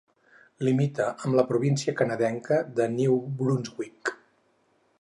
Limita amb la província canadenca de New Brunswick.